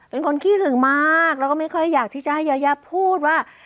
เป็นคนขี้ถึงมากเราก็ไม่ค่อยอยากที่จะให้ยายาพูดว่า